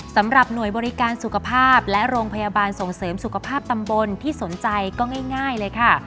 สำหรับหน่วยบริการสุขภาพและโรงพยาบาลส่งเสริมสุขภาพตำบลที่สนใจก็ง่ายเลยค่ะ